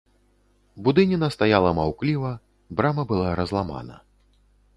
Будыніна стаяла маўкліва, брама была разламана.